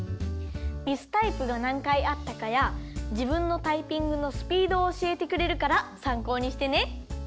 ミスタイプがなんかいあったかやじぶんのタイピングのスピードをおしえてくれるからさんこうにしてね。